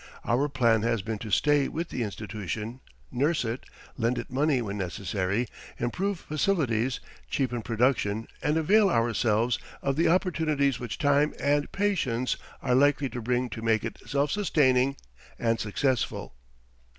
Our plan has been to stay with the institution, nurse it, lend it money when necessary, improve facilities, cheapen production, and avail ourselves of the opportunities which time and patience are likely to bring to make it self sustaining and successful.